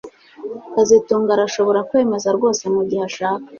kazitunga arashobora kwemeza rwose mugihe ashaka